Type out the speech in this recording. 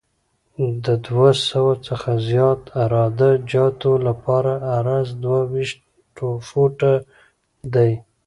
د دوه سوه څخه زیات عراده جاتو لپاره عرض دوه ویشت فوټه دی